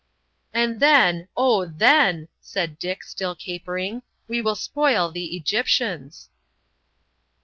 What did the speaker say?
"And then—oh, then," said Dick, still capering, "we will spoil the Egyptians!"